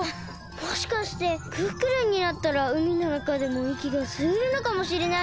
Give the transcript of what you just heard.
もしかしてクックルンになったらうみのなかでもいきがすえるのかもしれないです！